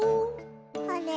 あれ？